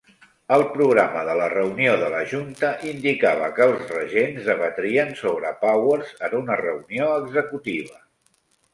El programa de la reunió de la Junta indicava que els regents debatrien sobre Powers en una reunió executiva.